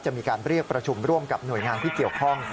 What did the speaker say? มีการเรียกประชุมร่วมกับหน่วยงานที่เกี่ยวข้อง